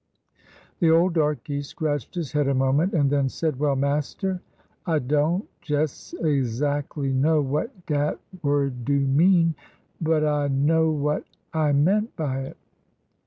''''' The old darky scratched his head a moment, and then said :' Well, master, I don' jes' ezac'ly know what dat word do mean, but I know what I meant by it.